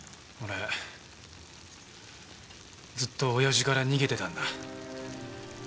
俺ずっと親父から逃げてたんだ。